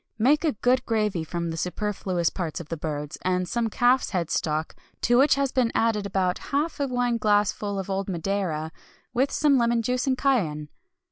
Make a good gravy from the superfluous parts of the birds, and some calf's head stock to which has been added about half a wine glassful of old Madeira, with some lemon juice and cayenne.